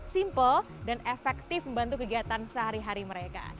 simple dan efektif membantu kegiatan sehari hari mereka